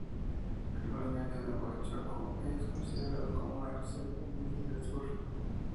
El balneario de Huanchaco es considerado como una reserva mundial del surf.